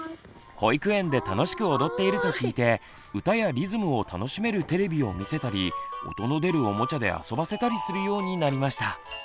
保育園で楽しく踊っていると聞いて歌やリズムを楽しめるテレビを見せたり音の出るおもちゃで遊ばせたりするようになりました。